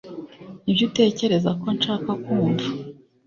Nibyo utekereza ko nshaka kumva?